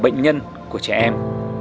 tám bệnh nhân của trẻ em